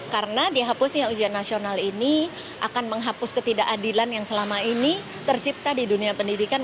karena dihapusnya ujian nasional ini akan menghapus ketidakadilan yang selama ini tercipta di dunia pendidikan